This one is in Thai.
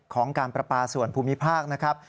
ของการประปาส่วนภูมิภาคนะครับ